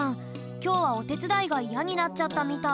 きょうはおてつだいがイヤになっちゃったみたい。